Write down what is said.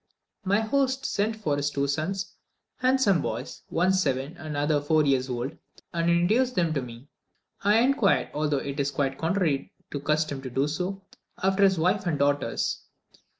My host sent for his two sons, handsome boys, one seven and the other four years old, and introduced them to me. I inquired, although it was quite contrary to custom to do so, after his wife and daughters.